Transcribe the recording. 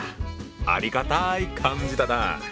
ありがたい漢字だなぁ。